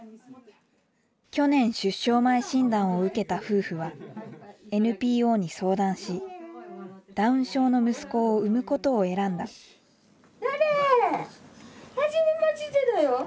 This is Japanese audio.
去年出生前診断を受けた夫婦はＮＰＯに相談しダウン症の息子を生むことを選んだはじめましてだよ。